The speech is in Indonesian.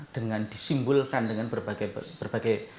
dengan disimbolkan dengan berbagai